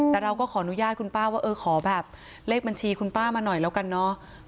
แต่เราก็ขออนุญาตคุณป้าว่าเออขอแบบเลขบัญชีคุณป้ามาหน่อยแล้วกันเนาะ